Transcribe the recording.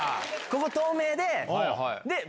ここ透明で。